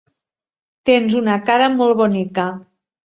Tens una cara molt bonica.